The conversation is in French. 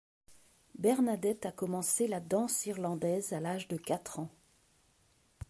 Bernadette a commencé la danse irlandaise à l'âge de quatre ans.